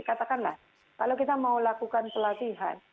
katakanlah kalau kita mau lakukan pelatihan